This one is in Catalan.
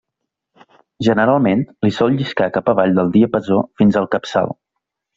Generalment, l'hi sol lliscar cap avall del diapasó, fins al capçal.